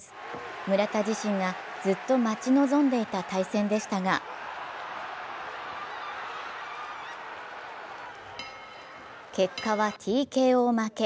村田自身がずっと待ち望んでいた対戦でしたが結果はＴＫＯ負け。